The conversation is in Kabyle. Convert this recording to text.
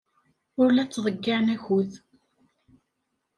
Ur la ttḍeyyiɛen akud.